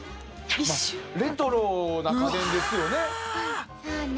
レトロな家電ですよね。